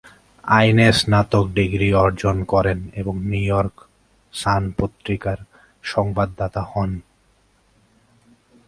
আইনে স্নাতক ডিগ্রী অর্জন করেন এবং "নিউইয়র্ক সান পত্রিকার" সংবাদদাতা হন।